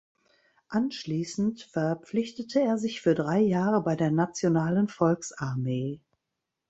Anschließend verpflichtete er sich für drei Jahre bei der Nationalen Volksarmee.